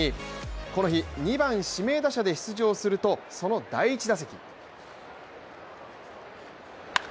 この日、２番・指名打者で出場するとその第１打席。